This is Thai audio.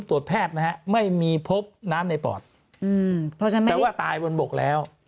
ตรวจแพทย์นะฮะไม่มีพบน้ำในปอดเพราะฉะนั้นแปลว่าตายบนบกแล้ว